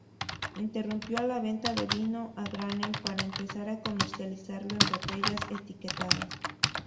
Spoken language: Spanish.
Interrumpió la venta de vino a granel para empezar a comercializarlo en botellas etiquetadas.